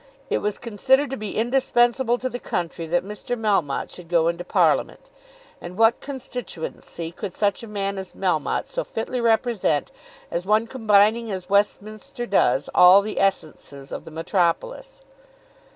It was considered to be indispensable to the country that Mr. Melmotte should go into Parliament, and what constituency could such a man as Melmotte so fitly represent as one combining as Westminster does all the essences of the metropolis?